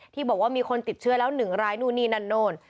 ที่บอกว่ามีคนติดเชื้อแล้ว๑รายนู่นนี่นั่นนู่น